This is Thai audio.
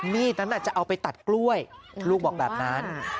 มีดนั้นจะเอาไปตัดกล้วยลูกบอกแบบนั้น